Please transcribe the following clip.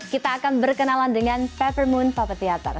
kita akan berkenalan dengan peppermint puppet theater